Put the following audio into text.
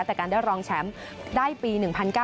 แต่การได้รองแชมป์ได้ปี๑๙๐